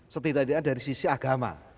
setidaknya dari sisi agama